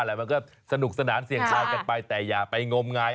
มันก็สนุกสนานเสี่ยงทายกันไปแต่อย่าไปงมงาย